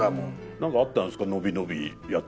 何かあったんですか。